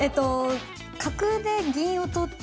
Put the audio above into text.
角で銀を取って。